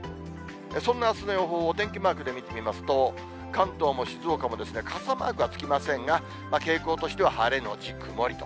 そんなあすの予報をお天気マークで見てみますと、関東も静岡も傘マークはつきませんが、傾向としては晴れ後曇りと。